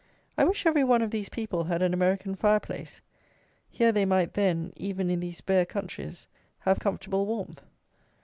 I wish every one of these people had an American fire place. Here they might, then, even in these bare countries, have comfortable warmth.